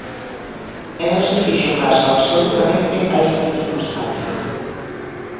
E non se fixo caso absolutamente a esta circunstancia.